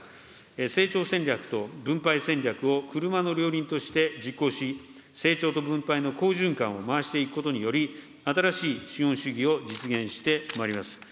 成長戦略と分配戦略を車の両輪として実行し、成長と分配の好循環を回していくことにより、新しい資本主義を実現してまいります。